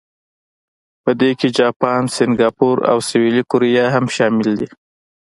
په دې کې جاپان، سنګاپور او سویلي کوریا هم شامل دي.